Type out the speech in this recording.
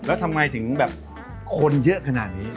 แล้วทำไมถึงแบบคนเยอะขนาดนี้